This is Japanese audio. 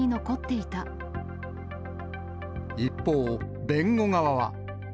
一方、弁護側は。